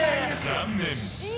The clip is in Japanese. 残念。